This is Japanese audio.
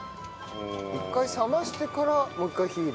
一回冷ましてからもう一回火入れる。